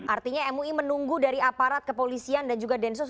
artinya mui menunggu dari aparat kepolisian dan juga densus